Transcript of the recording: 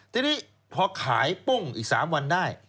ทีนี้พอขายปุ้งอีก๓วันได้